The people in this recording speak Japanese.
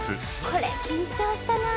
これ緊張したな。